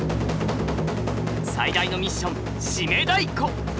最大のミッション締太鼓。